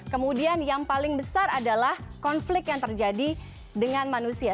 kemudian yang paling besar adalah konflik yang terjadi dengan manusia